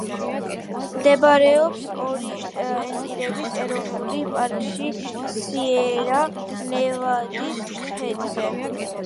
მდებარეობს იოსემიტის ეროვნულ პარკში, სიერა-ნევადის ქედზე.